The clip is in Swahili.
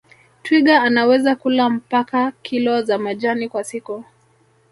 Twiga anaweza kula mpaka kilo za majani kwa siku